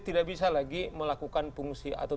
tidak bisa lagi melakukan fungsi atau